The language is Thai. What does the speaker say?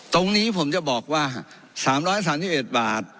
ตรงนี้ผมจะบอกว่าฮะสามร้อยสามสิบเอ็ดบาท